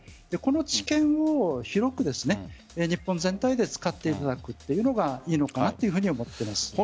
この知見を広く、日本全体で使っていただくというのがいいのかなと思っています。